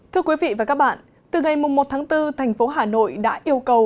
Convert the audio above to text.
thưa quý vị và các bạn từ ngày một tháng bốn thành phố hà nội đã yêu cầu